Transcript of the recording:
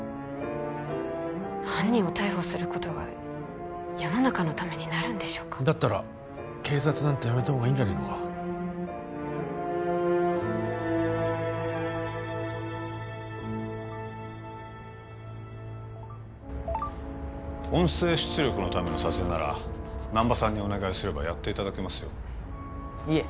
犯人を逮捕することが世の中のためになるんでしょうかだったら警察なんて辞めた方がいいんじゃねえのか音声出力のための撮影なら難波さんにお願いすればやっていただけますよいえ